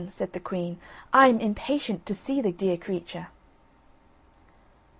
said the queen; "I am impatient to see the dear creature."